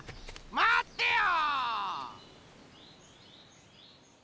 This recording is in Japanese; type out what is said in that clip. まってよ！